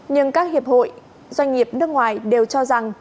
nhưng các hiệp hội doanh nghiệp nước ngoài đều cho rằng